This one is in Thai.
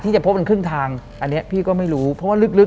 หลังจากนั้นเราไม่ได้คุยกันนะคะเดินเข้าบ้านอืม